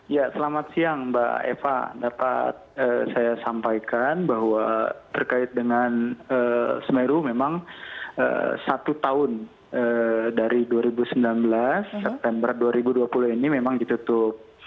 ya selamat siang mbak eva dapat saya sampaikan bahwa terkait dengan semeru memang satu tahun dari dua ribu sembilan belas september dua ribu dua puluh ini memang ditutup